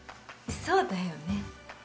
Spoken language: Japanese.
そうだよね。